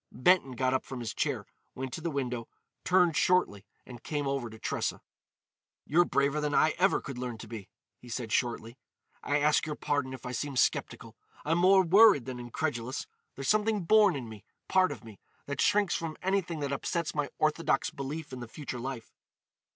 Benton got up from his chair, went to the window, turned shortly and came over to Tressa. "You're braver than I ever could learn to be," he said shortly. "I ask your pardon if I seem sceptical. I'm more worried than incredulous. There's something born in me—part of me—that shrinks from anything that upsets my orthodox belief in the future life.